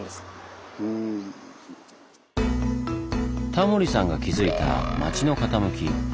タモリさんが気付いた「町の傾き」。